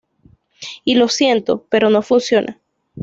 Y lo siento, pero no funciona.